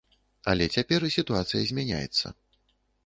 Але цяпер сітуацыя змяняецца.